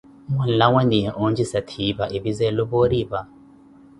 mwanlawaniye onjisa ttipa ephi za eluphooripa ?